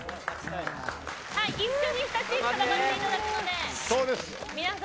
一緒に２チーム戦っていただくので。